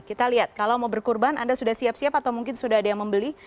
kita lihat kalau mau berkurban anda sudah siap siap atau mungkin sudah ada yang membeli